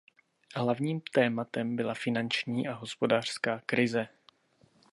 Hlavním tématem byla finanční a hospodářská krize.